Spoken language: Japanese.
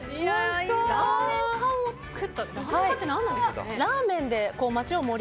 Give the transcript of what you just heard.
ラーメン課を作ったと。